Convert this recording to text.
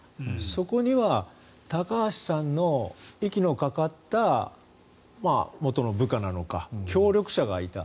そこには高橋さんの息のかかった元の部下なのか協力者がいた。